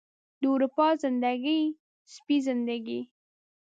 د اروپا زندګي، سپۍ زندګي